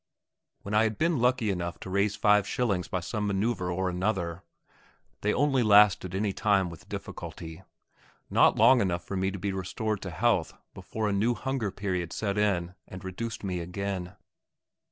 When I had been lucky enough to raise five shillings by some manoeuvre or another they only lasted any time with difficulty; not long enough for me to be restored to health before a new hunger period set in and reduced me again.